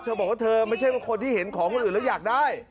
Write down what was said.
บอกว่าเธอไม่ใช่ว่าคนที่เห็นของคนอื่นแล้วอยากได้